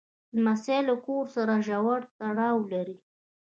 لمسی له کور سره ژور تړاو لري.